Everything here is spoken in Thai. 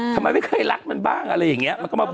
ทำไมไม่เคยรักมันบ้างอะไรอย่างเงี้ยมันก็มาบ่น